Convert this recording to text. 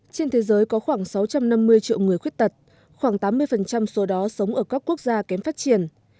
trên thế giới có khoảng sáu trăm năm mươi triệu người khuyết tật khoảng tám mươi số đó sống ở các quốc gia kém phát triển